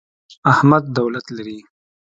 احمد دولت لري.